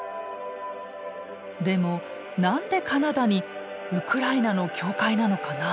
でも何でカナダにウクライナの教会なのかな？